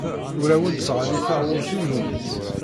Ur awent-ttɣelliteɣ urti-nwent.